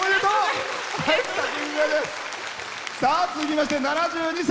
続きまして７２歳。